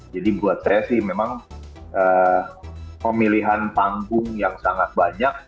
jadi buat saya sih memang pemilihan panggung yang sangat banyak